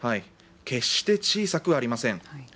決して小さくありません。